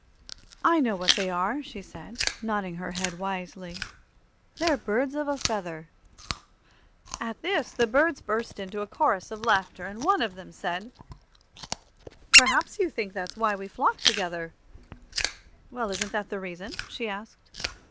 "I know what they are," she said, nodding her head wisely; "they're birds of a feather." At this the birds burst into a chorus of laughter, and one of them said: "Perhaps you think that's why we flock together." "Well, isn't that the reason?" she asked.